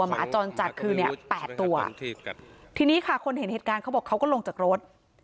หมาจรจัดคือเนี่ย๘ตัวทีนี้ค่ะคนเห็นเหตุการณ์เขาบอกเขาก็ลงจากรถ